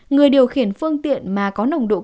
người điều khiển phương tiện mà có nồng độ cồn